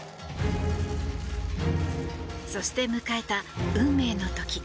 そして迎えた運命の時。